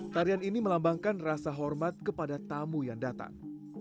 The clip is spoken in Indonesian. tarian ini melambangkan rasa hormat kepada tamu yang datang